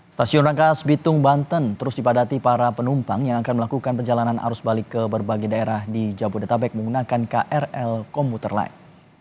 stasiun rangkas bitung banten terus dipadati para penumpang yang akan melakukan perjalanan arus balik ke berbagai daerah di jabodetabek menggunakan krl komuter lain